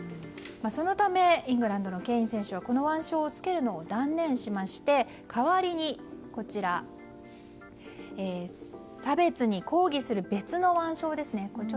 そのためイングランドのケイン選手はこの腕章を着けるのを断念しまして代わりに差別に抗議する別の腕章ですね。